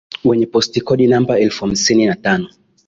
wenye postikodi namba elfu hamsini na tano